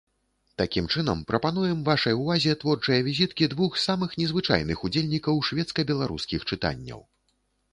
Такім чынам, прапануем вашай увазе творчыя візіткі двух самых незвычайных удзельнікаў шведска-беларускіх чытанняў.